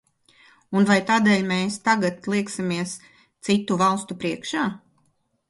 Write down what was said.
Un vai tādēļ mēs tagad lieksimies citu valstu priekšā?